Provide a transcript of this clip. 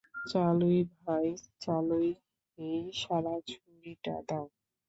চালু হ ভাই, চালু হ হেই সারা, ছুরিটা দাও।